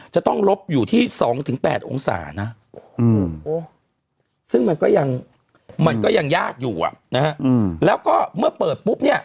จะต้องลบอยู่ที่๒๘องศานะซึ่งมันก็ยังมันก็ยังยากอยู่อ่ะนะฮะแล้วก็เมื่อเปิดปุ๊บเนี่ย